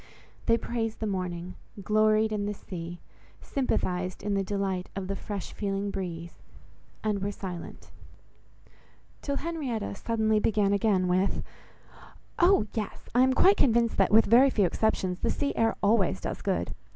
They praised the morning; gloried in the sea; sympathized in the delight of the fresh feeling breeze—and were silent; till Henrietta suddenly began again with— "Oh! yes,—I am quite convinced that, with very few exceptions, the sea air always does good.